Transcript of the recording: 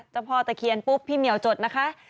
เจ้าพ่อตะเคียนปุ๊บพี่เหมียวจดนะคะ